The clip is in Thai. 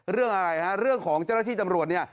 เรื่องอะไรฮะเรื่องของเจ้าหน้าที่ตำรวจเนี่ย